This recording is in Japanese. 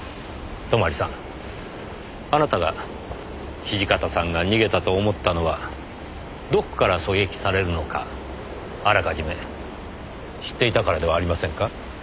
泊さんあなたが土方さんが逃げたと思ったのはどこから狙撃されるのかあらかじめ知っていたからではありませんか？